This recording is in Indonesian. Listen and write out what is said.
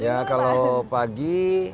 ya kalau pagi